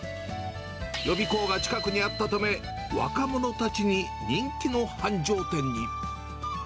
予備校が近くにあったため、若者たちに人気の繁盛店に。